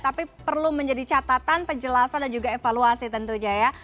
tapi perlu menjadi catatan penjelasan dan juga evaluasi tentunya ya